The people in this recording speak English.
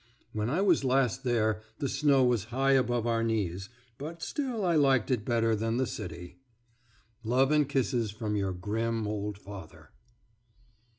When I was last there the snow was high above our knees; but still I liked it better than the city .... Love and kisses from your grim old father.